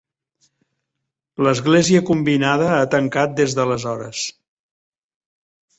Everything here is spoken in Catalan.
L'església combinada ha tancat des d'aleshores.